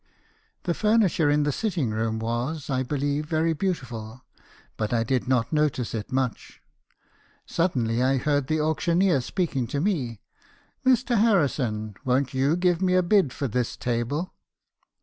The furniture in the sitting rooms was , I be lieve, very beautiful, but I did not notice it much. Suddenly I heard the auctioneer speaking to me, 'Mr. Harrison, won't you give me a bid for this table